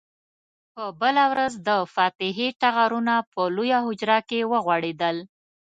په بله ورځ د فاتحې ټغرونه په لویه حجره کې وغوړېدل.